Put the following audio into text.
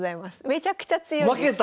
めちゃくちゃ強いです。